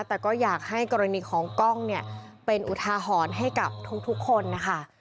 แต่ก็อยากให้กรณีของกล้องเนี่ยเป็นอุทาหรณ์ให้กับทุกคนนะคะ